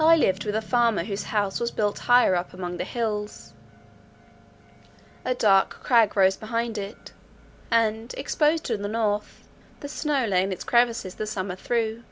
I lived with a farmer whose house was built higher up among the hills: a dark crag rose behind it, and, exposed to the north, the snow lay in its crevices the summer through.